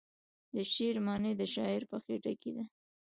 د شعر معنی د شاعر په خیټه کې ده.